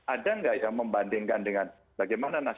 ada nggak yang membandingkan dengan bagaimana nasib nakes